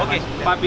oke pak pih